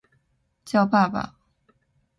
叫爸爸